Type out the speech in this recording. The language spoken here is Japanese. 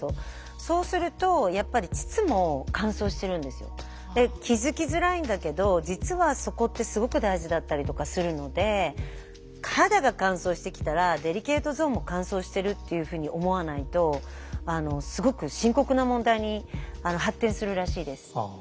そうするとやっぱり気付きづらいんだけど実はそこってすごく大事だったりとかするので肌が乾燥してきたらデリケートゾーンも乾燥してるっていうふうに思わないとすごく深刻な問題に発展するらしいです。